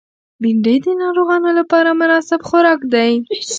بېنډۍ د ناروغانو لپاره مناسب خوراک دی